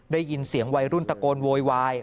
ได้ยินเสียงวัยรุ่นตะโกนโวยวาย